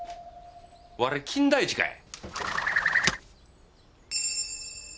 われ金田一かい？